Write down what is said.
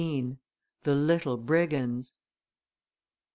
THE LITTLE BRIGANDS.